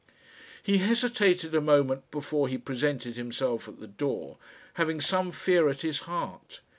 He hesitated a moment before he presented himself at the door, having some fear at his heart.